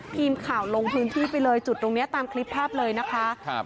ทีมข่าวลงพื้นที่ไปเลยจุดตรงเนี้ยตามคลิปภาพเลยนะคะครับ